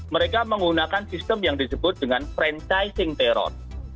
mereka menggunakan sistem yang disebut dengan franchising terron